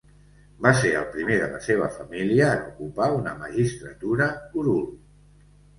Va ser el primer de la seva família en ocupar una magistratura curul.